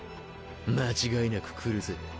間違いなく来るぜ。